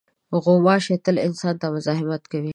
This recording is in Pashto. غوماشې تل انسان ته مزاحمت کوي.